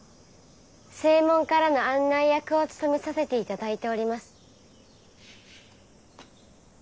正門からの案内役を務めさせていただいております。